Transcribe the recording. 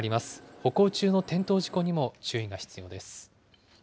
歩行中の転倒事故にも注意が必要